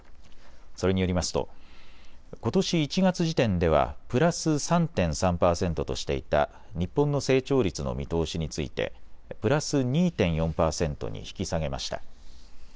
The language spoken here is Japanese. それによりますとことし１月時点ではプラス３．３％としていた日本の成長率の見通しについてプラス２．４％に引き下げました。